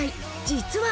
実は。